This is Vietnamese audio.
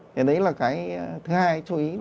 thế đấy là cái thứ hai chú ý